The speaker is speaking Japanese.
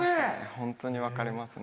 ホントに分かりますね。